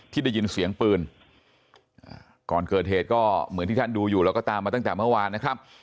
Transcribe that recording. ได้ยินเสียงปืนก่อนเกิดเหตุก็เหมือนที่ท่านดูอยู่แล้วก็ตามมาตั้งแต่เมื่อวานนะครับ